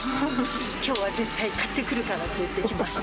きょうは絶対買ってくるからって言ってきました。